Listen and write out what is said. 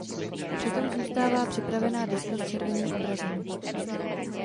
Přitom zůstává připravená deska s červeným obrazem.